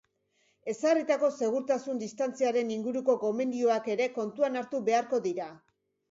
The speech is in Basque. Ezarritako segurtasun-distantziaren inguruko gomendioak ere kontuan hartu beharko dira.